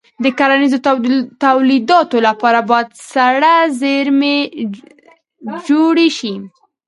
د کرنیزو تولیداتو لپاره باید سړه زېرمې جوړې شي.